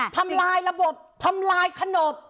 ทำลายระบบทำลายขนบ